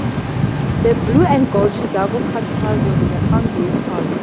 The blue-and-gold Chicago Card Plus was an account-based card.